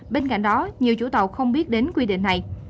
bên cạnh đó nhiều chủ tàu không biết đến quy định này